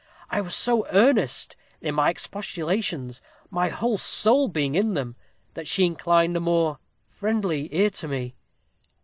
I was so earnest in my expostulations, my whole soul being in them, that she inclined a more friendly ear to me.